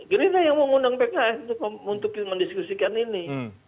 gerindra yang mau ngundang pks untuk mendiskusikan ini